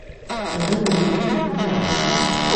Залда бер иҫерек ултыра.